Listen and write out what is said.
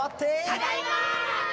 「ただいま！」